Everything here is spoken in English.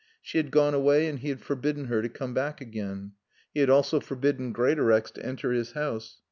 She had gone away and he had forbidden her to come back again. He had also forbidden Greatorex to enter his house.